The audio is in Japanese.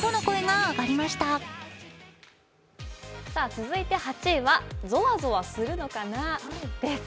続いて８位はゾワゾワするのかなです。